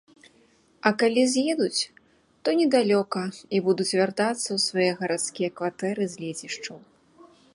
А калі з'едуць, то недалёка і будуць вяртацца ў свае гарадскія кватэры з лецішчаў.